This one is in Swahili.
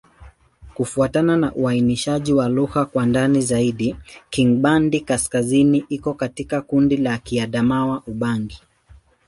Kufuatana na uainishaji wa lugha kwa ndani zaidi, Kingbandi-Kaskazini iko katika kundi la Kiadamawa-Ubangi.